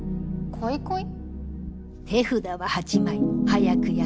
こいこい。